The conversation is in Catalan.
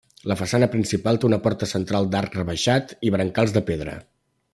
La façana principal té una porta central d'arc rebaixat i brancals de pedra.